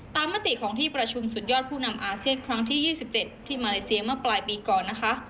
มติของที่ประชุมสุดยอดผู้นำอาเซียนครั้งที่๒๗ที่มาเลเซียเมื่อปลายปีก่อนนะคะ